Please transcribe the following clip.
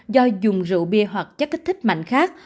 do dùng rượu bia hoặc chất kích thích mạnh khác